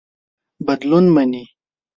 بدلون مني.